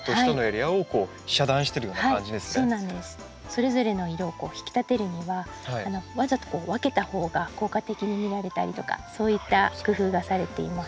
それぞれの色を引き立てるにはわざと分けたほうが効果的に見られたりとかそういった工夫がされています。